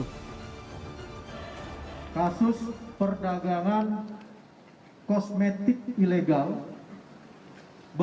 kasus perdagangan kosmetik ilegal berupa sampo dan minyak rambut